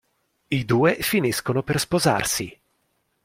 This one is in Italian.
I due finiscono per sposarsi.